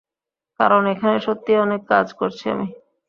কারণ এখানে সত্যিই অনেক কাজ করছি আমি।